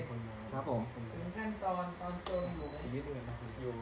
ปุ๋ย์คันตอนตอนตัวหนู